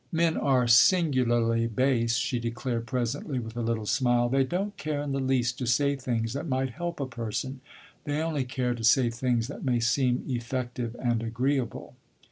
"Men are singularly base," she declared presently, with a little smile. "They don't care in the least to say things that might help a person. They only care to say things that may seem effective and agreeable."